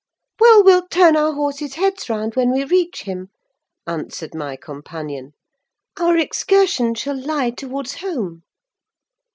"Well, we'll turn our horses' heads round when we reach him," answered my companion; "our excursion shall lie towards home."